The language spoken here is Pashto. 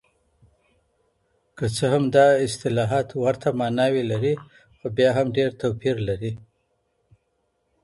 که څه هم دا اصطلاحات ورته ماناوې لري خو بیا هم ډېر توپیر لري.